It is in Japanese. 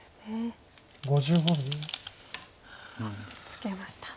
ツケました。